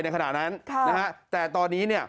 ขณะนั้นแต่ตอนนี้เนี่ย